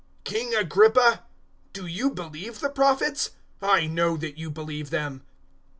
026:027 King Agrippa, do you believe the Prophets? I know that you believe them."